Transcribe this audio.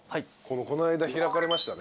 この間開かれましたね